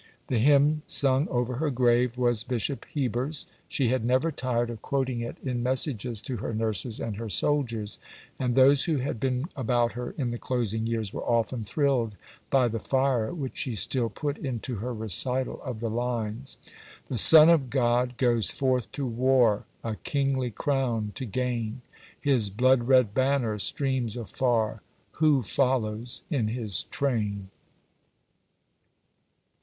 The hymn sung over her grave was Bishop Heber's. She had never tired of quoting it in messages to her nurses and her soldiers, and those who had been about her in the closing years were often thrilled by the fire which she still put into her recital of the lines: The Son of God goes forth to war, A kingly crown to gain, His blood red banner streams afar: _Who follows in his train?